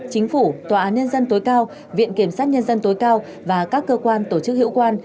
chính phủ tòa án nhân dân tối cao viện kiểm sát nhân dân tối cao và các cơ quan tổ chức hữu quan